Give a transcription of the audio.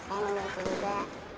saya nunggu itu juga